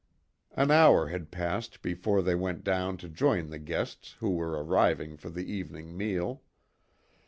An hour had passed before they went down to join the guests who were arriving for the evening meal.